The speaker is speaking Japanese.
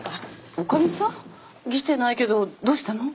女将さん？来てないけどどうしたの？